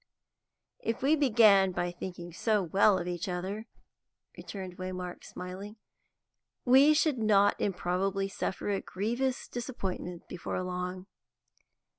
"If we began by thinking so well of each other," returned Waymark, smiling, "we should not improbably suffer a grievous disappointment before long."